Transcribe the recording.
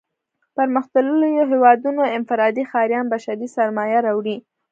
پرمختلليو هېوادونو انفرادي ښاريان بشري سرمايه راوړي.